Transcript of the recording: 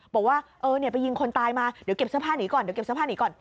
บอกว่าเออไปยิงคนตายมาเดี๋ยวเก็บเสื้อผ้าหนีก่อน